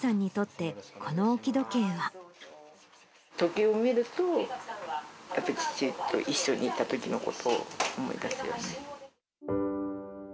時計を見ると、やっぱり父と一緒にいたときのことを思い出しますね。